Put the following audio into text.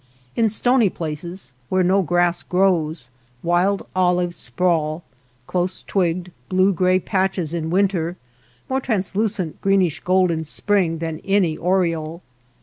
In stony places where no grass grows, wild olives sprawl ; close twigged, blue gray patches in winter, more translu cent greenish gold in spring than any aureole.